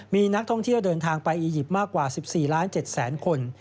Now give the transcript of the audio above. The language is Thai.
มีนักท่องเที่ยวเดินทางไปอียิปต์มากกว่า๑๔ล้าน๗แสนคน